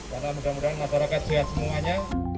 karena mudah mudahan masyarakat sehat semuanya